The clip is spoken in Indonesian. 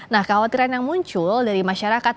nah khawatiran yang muncul dari masyarakat